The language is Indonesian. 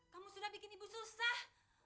kamu sudah bikin ibu susah